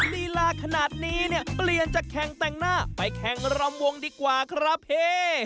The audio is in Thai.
ลีลาขนาดนี้เนี่ยเปลี่ยนจากแข่งแต่งหน้าไปแข่งรำวงดีกว่าครับเฮ